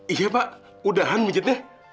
iya pak udahan pijatnya